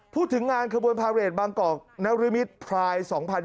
พูดถึงงานขบวนพาเรทบางกอกนรมิตรพราย๒๐๒๐